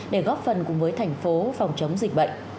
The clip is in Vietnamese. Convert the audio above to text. để góp phần cùng với thành phố phòng chống dịch bệnh